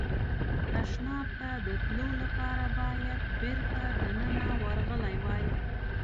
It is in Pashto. تشناب ته د تلو لپاره باید بېرته دننه ورغلی وای.